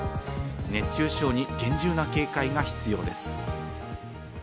熱中症に厳重な警戒が必要です。